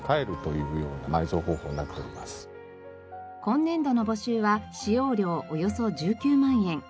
今年度の募集は使用料およそ１９万円。